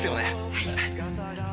はい。